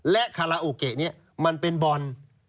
และคาราโอเกะนี้มันเป็นบอล